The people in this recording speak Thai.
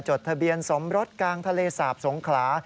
จดทะเบียนสมรสกลางทะเลสาบสงขลา